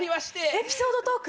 エピソードトーク！